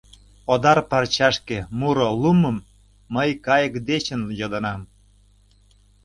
Одар парчашке муро луммым Мый кайык дечын йодынам.